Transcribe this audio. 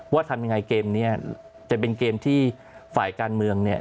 ทำยังไงเกมนี้จะเป็นเกมที่ฝ่ายการเมืองเนี่ย